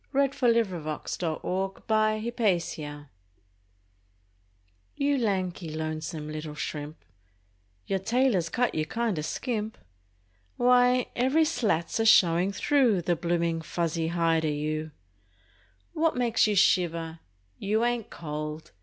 Mint Mtobblu iMtnk iEufb ICtUle Mflup □ You lanky, lonesome little shrimp, Your tailors cut you kind o' skimp! Wye, every slat's a showin' through The bloomin' fuzzy hide o' you. What makes you shiver? You ain't cold!